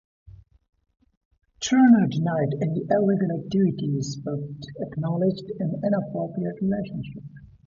Turner denied any illegal activity but acknowledged an inappropriate relationship.